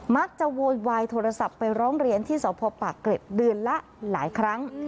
โวยวายโทรศัพท์ไปร้องเรียนที่สพปากเกร็ดเดือนละหลายครั้ง